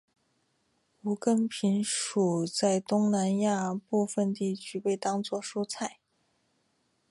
无根萍属在东南亚部份地区被当作蔬菜。